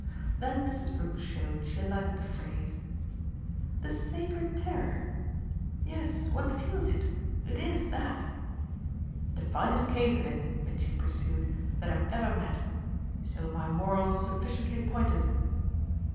Then Mrs. Brook showed she liked the phrase. "The sacred terror! Yes, one feels it. It IS that." "The finest case of it," Mitchy pursued, "that I've ever met. So my moral's sufficiently pointed."